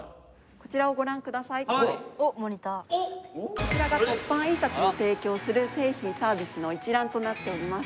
こちらが凸版印刷の提供する製品サービスの一覧となっております。